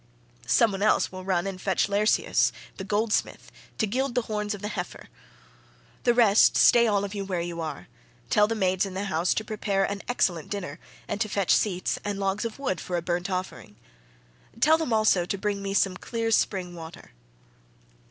Some one else will run and fetch Laerceus the goldsmith to gild the horns of the heifer. The rest, stay all of you where you are; tell the maids in the house to prepare an excellent dinner, and to fetch seats, and logs of wood for a burnt offering. Tell them also to bring me some clear spring water."